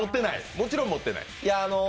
もちろん持ってない？